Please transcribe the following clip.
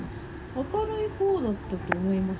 明るいほうだったと思います。